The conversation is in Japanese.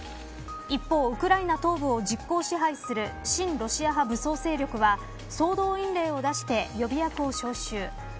一方、ウクライナ東部を実効支配する親ロシア派武装勢力は総動員令を出して予備役を招集。